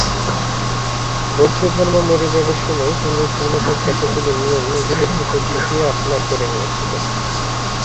বৌদ্ধধর্ম মরে যাবার সময় হিন্দুধর্ম তার কতকগুলি নিয়ম নিজেদের ভেতর ঢুকিয়ে আপনার করে নিয়েছিল।